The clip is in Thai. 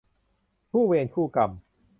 คู่เวรคู่กรรม